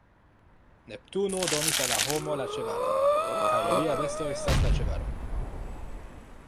Neptuno donis al la homo la ĉevalon, kaj lia besto estas la ĉevalo.